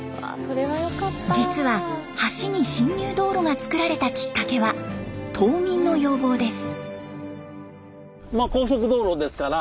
道路がつくられたきっかけは島民の要望です。